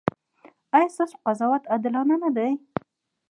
ایا ستاسو قضاوت عادلانه نه دی؟